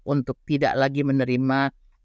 untuk tidak lagi menerima